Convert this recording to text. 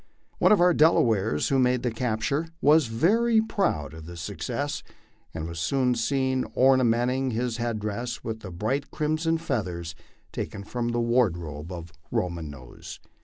One of our Delawares who made the capture was very proud of the success, and was soon seen ornamenting his head dress with the bright crimson feathers taken from the wardrobe of " Roman Nose."